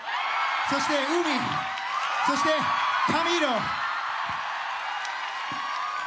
そしてＵＭＩそしてカミーロ！